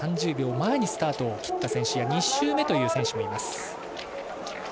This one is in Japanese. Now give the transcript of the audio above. ３０秒前にスタートを切った選手や２周目という選手もいます。